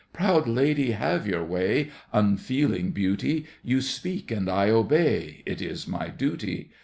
Proud lady, have your way, Unfeeling beauty! You speak and I obey, It is my duty!